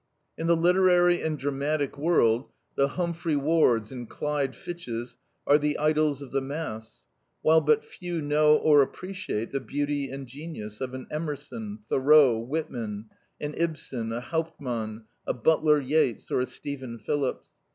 In the literary and dramatic world, the Humphrey Wards and Clyde Fitches are the idols of the mass, while but few know or appreciate the beauty and genius of an Emerson, Thoreau, Whitman; an Ibsen, a Hauptmann, a Butler Yeats, or a Stephen Phillips.